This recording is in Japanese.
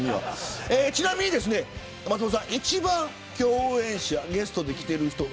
ちなみに松本さん一番共演者、ゲストで来ている人